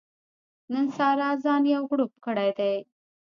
نن سارا ځان یو غړوپ کړی دی.